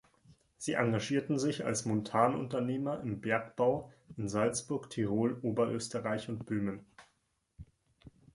Sie engagierten sich als Montanunternehmer im Bergbau in Salzburg, Tirol, Oberösterreich und Böhmen.